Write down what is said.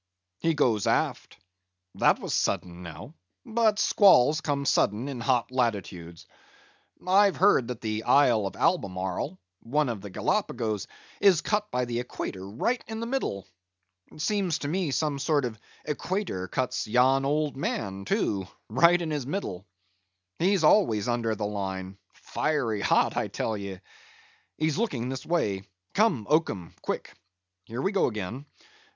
"He goes aft. That was sudden, now; but squalls come sudden in hot latitudes. I've heard that the Isle of Albemarle, one of the Gallipagos, is cut by the Equator right in the middle. Seems to me some sort of Equator cuts yon old man, too, right in his middle. He's always under the Line—fiery hot, I tell ye! He's looking this way—come, oakum; quick. Here we go again.